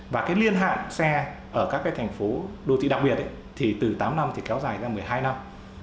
và cái liên hạn xe ở các cái thành phố đô thị đặc biệt thì từ tám năm thì kéo dài ra một mươi hai năm